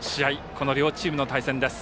この両チームの対戦です。